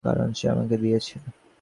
কারণ সে আমাকে দিয়েছে।